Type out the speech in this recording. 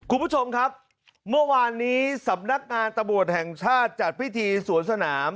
คุณผู้ชมครับเมื่อวานนี้สำนักงานตำรวจแห่งชาติจัดพิธีสวนสนาม